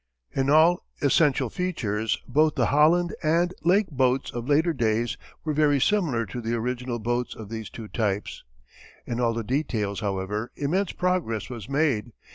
In all essential features both the Holland and Lake boats of later days were very similar to the original boats of these two types. In all the details, however, immense progress was made.